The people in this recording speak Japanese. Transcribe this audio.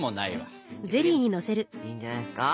いいんじゃないですか！